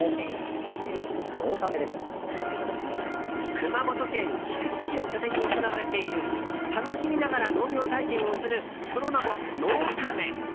熊本県菊池市を拠点に行われている楽しみながら農業体験をするその名も農タメ。